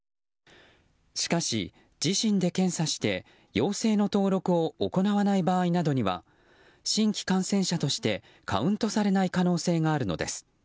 しかし、自身で検査して陽性の登録を行わない場合などには新規感染者としてカウントされない可能性があるのです。